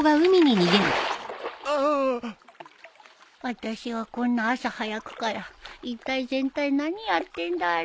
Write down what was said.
私はこんな朝早くから一体全体何やってんだろ？